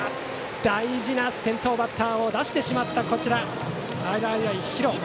大事な先頭バッターを出してしまった洗平比呂。